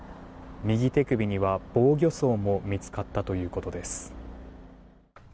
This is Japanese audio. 右手首には防御創も見つかったということです。